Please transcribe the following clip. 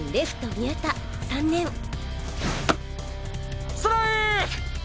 宮田３年ストライク！